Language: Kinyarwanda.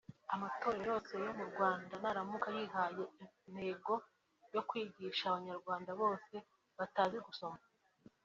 Amatorero yose yo mu Rwanda naramuka yihaye intego yo kwigisha Abanyarwanda bose batazi gusoma